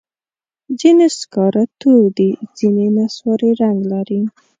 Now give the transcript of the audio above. ځینې سکاره تور دي، ځینې نسواري رنګ لري.